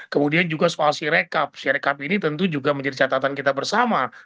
kemudian juga soal sirekap sirekap ini tentu juga menjadi catatan kita bersama